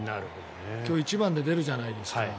今日、１番で出るじゃないですか。